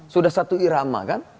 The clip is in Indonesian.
sudah satu irama kan